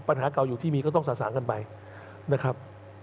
ปัญหาเก่าอยู่ที่มีก็ต้องสะสางกันไปนะครับ